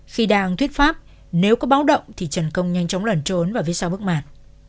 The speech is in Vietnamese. khi đang thuyết pháp nếu có báo động thì trần công nhanh chóng lẩn trốn và viết sau bức mạng